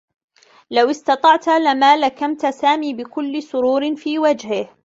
لو استطعت لما لكمت سامي بكلّ سرور في وجهه.